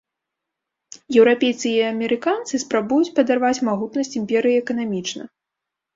Еўрапейцы і амерыканцы спрабуюць падарваць магутнасць імперыі эканамічна.